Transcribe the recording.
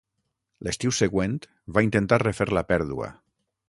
L’estiu següent va intentar refer la pèrdua.